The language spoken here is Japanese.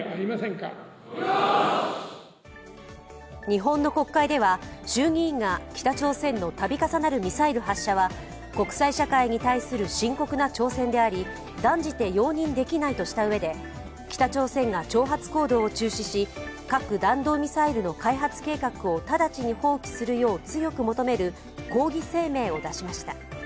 日本の国会では衆議院が北朝鮮の度重なるミサイル発射は国際社会に対する深刻な挑戦であり断じて容認できないとしたうえで北朝鮮が挑発行動を中止し核・弾道ミサイルの開発計画を直ちに放棄するよう強く求める抗議声明を出しました。